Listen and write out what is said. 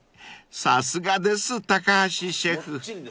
［さすがです高橋シェフ］